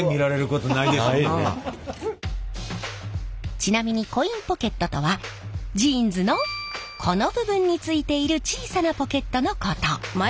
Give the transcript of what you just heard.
ちなみにコインポケットとはジーンズのこの部分についている小さなポケットのこと。